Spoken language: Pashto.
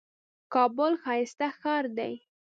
کابل ښايسته ښار دئ.